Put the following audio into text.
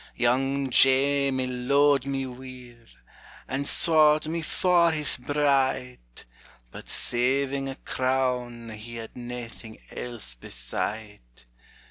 Young Jamie lo'ed me weel, and sought me for his bride; But saving a crown, he had naething else beside.